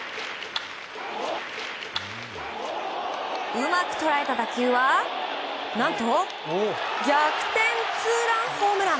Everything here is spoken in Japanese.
うまく捉えた打球は何と逆転ツーランホームラン！